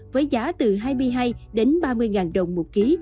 với giá từ hai mươi hai đến ba mươi ngàn đồng một ký